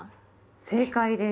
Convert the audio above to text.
正解です。